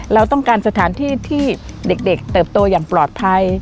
เราต้องการสถานที่ที่เด็กเติบโตอย่างปลอดภัย